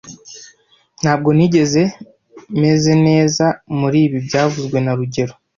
Ntabwo nigeze meze neza muribi byavuzwe na rugero